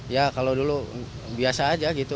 ya kalau dulu biasa aja gitu